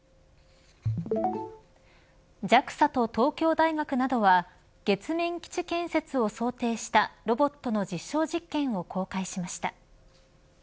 ＪＡＸＡと東京大学などは月面基地建設を想定したロボットの実証実験を公開しました。